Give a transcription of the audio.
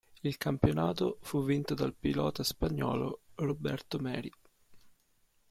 Il campionato fu vinto dal pilota spagnolo Roberto Merhi.